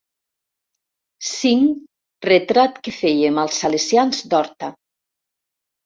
Cinc retrat que fèiem als Salesians d'Horta.